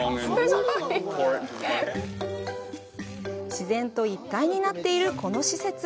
自然と一体になっているこの施設。